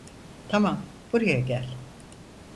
Tamam, buraya gel.